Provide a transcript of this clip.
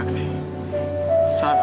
aku ingin mencobanya